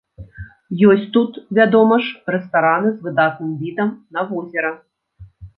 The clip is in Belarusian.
Ёсць тут, вядома ж, рэстараны з выдатным відам на возера.